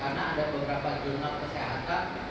karena ada beberapa jurnal kesehatan